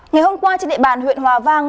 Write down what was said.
ngày hôm qua trên địa bàn huyện hòa vang